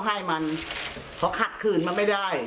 เพราะถ้ามันไม่น่าจะชมกินซะไว้